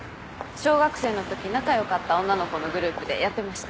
小学生のとき仲良かった女の子のグループでやってました。